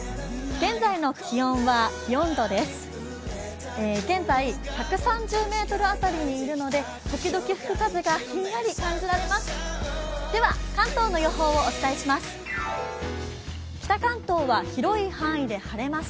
現在１３０ｍ辺りにいるので時々吹く風がひんやり感じられます。